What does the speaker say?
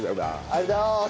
ありがとうございます！